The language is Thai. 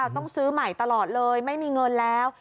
ต้องซื้อใหม่ตลอดเลยไม่มีเงินแล้ว